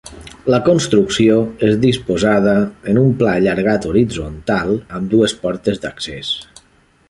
La construcció és disposada en un pla allargat horitzontal amb dues portes d'accés.